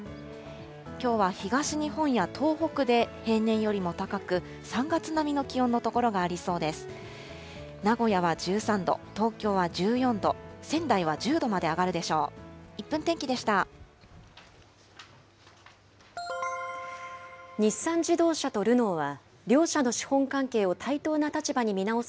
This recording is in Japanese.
きょうは東日本や東北で平年よりも高く、３月並みの気温の所がありそうです。